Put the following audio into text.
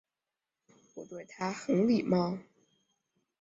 我对他很礼貌